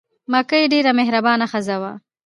مکۍ ډېره مهربانه ښځه وه.